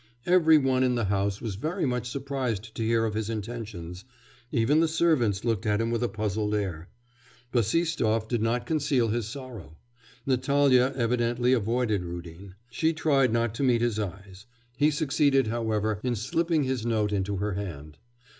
Every one in the house was very much surprised to hear of his intentions; even the servants looked at him with a puzzled air. Bassistoff did not conceal his sorrow. Natalya evidently avoided Rudin. She tried not to meet his eyes. He succeeded, however, in slipping his note into her hand.